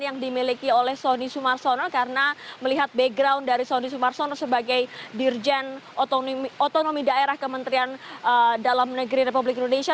yang dimiliki oleh sonny sumarsono karena melihat background dari sonny sumarsono sebagai dirjen otonomi daerah kementerian dalam negeri republik indonesia